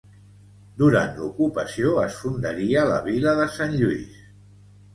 Durant l'ocupació es fundaria la vila de Sant Lluís.